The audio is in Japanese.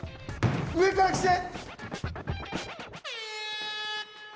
上から来て。